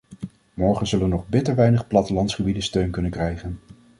Morgen zullen nog bitter weinig plattelandsgebieden steun kunnen krijgen.